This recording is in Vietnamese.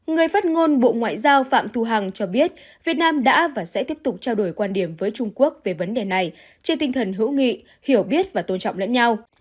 người phát ngôn bộ ngoại giao phạm thu hằng cho biết việt nam đã và sẽ tiếp tục trao đổi quan điểm với trung quốc về vấn đề này trên tinh thần hữu nghị hiểu biết và tôn trọng lẫn nhau